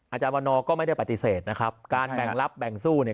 อาจารย์วันนอร์ก็ไม่ได้ปฏิเสธนะครับการแบ่งรับแบ่งสู้เนี่ย